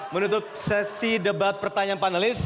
menutup sesi debat pertanyaan panelis